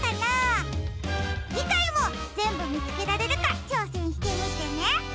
じかいもぜんぶみつけられるかちょうせんしてみてね！